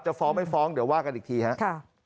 ฟ้องไม่ฟ้องเดี๋ยวว่ากันอีกทีครับ